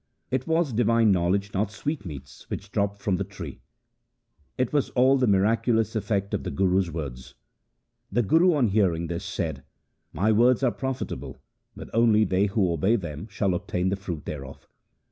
It was divine knowledge not sweetmeats which dropped from the tree. It was all the miraculous effect of the Guru's words. The Guru on hearing this said, ' My words are profitable, but only they who obey them shall obtain the fruit thereof.'